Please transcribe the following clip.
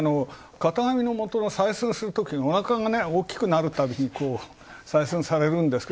型紙のもとの採寸するたびおなかが大きくなるたびに、採寸されるんですが。